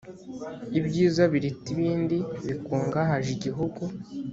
ibyiza biruta ibindi bikungahaje igihugu,